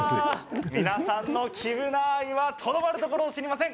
皆さんの黄ぶな愛はとどまるところを知りません。